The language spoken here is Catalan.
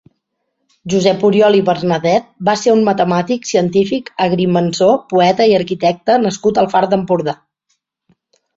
Josep Oriol i Bernadet va ser un matemàtic, científic, agrimensor, poeta i arquitecte nascut al Far d'Empordà.